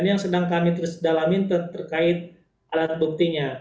ini yang sedang kami tersedalami terkait alat buktinya